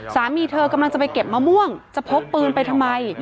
สามีเธอกำลังจะไปเก็บมะม่วงจะพกปืนไปทำไม